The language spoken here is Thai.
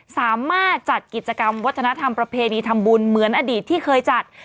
จัดกิจกรรมวัฒนธรรมประเพณีทำบุญเหมือนอดีตที่เคยจัด